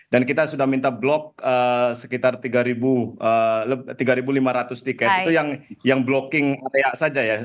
dan kita sudah minta blok sekitar tiga lima ratus tiket itu yang blocking ata saja ya